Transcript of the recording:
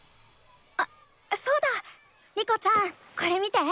あそうだ。リコちゃんこれ見て。